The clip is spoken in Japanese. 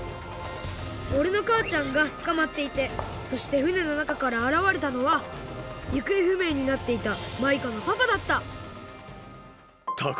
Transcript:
おれのかあちゃんがつかまっていてそしてふねのなかからあらわれたのはゆくえふめいになっていたマイカのパパだったタアコ。